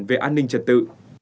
đề an ninh trật tự